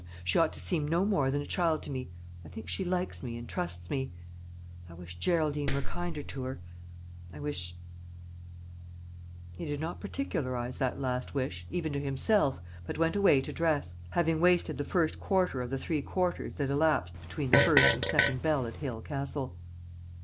She ought to seem no more than a child to me. I think she likes me, and trusts me. I wish Geraldine were kinder to her; I wish " He did not particularise that last wish, even to himself, but went away to dress, having wasted the first quarter of the three quarters that elapsed between the first and second bell at Hale Castle.